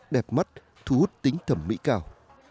đẹp mắt thu hút tính thẩm mỹ cao